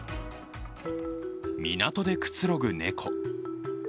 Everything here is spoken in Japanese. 港でつくろぐ猫。